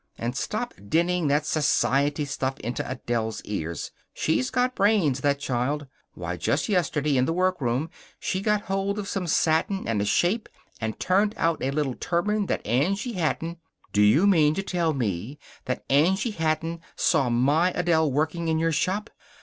And stop dinning that society stuff into Adele's ears. She's got brains, that child. Why, just yesterday, in the workroom, she got hold of some satin and a shape and turned out a little turban that Angie Hatton " "Do you mean to tell me that Angie Hatton saw my Adele working in your shop!